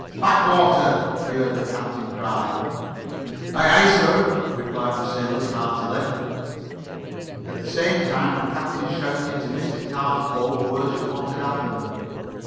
"Back water!" he heard the captain cry. "Aye, aye, sir!" replied the sailors heartily. At the same time the captain shouted to Mr. Carr's boat word of what had happened.